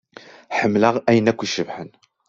Ḥemmleɣ ayen akk icebḥen.